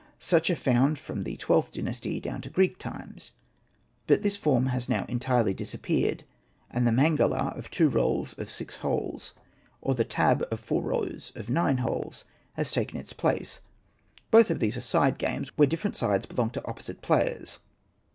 Such are found from the Xllth Dynasty down to Greek times ; but this form has now entirely disappeared, and the man galah of two rows of six holes, or the tah of four rows of nine holes, have taken its place. Both of these are side games, where different sides belong to opposite players.